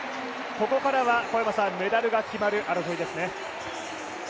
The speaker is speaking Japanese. ここからはメダルが決まる争いですね。